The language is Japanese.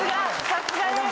さすがです。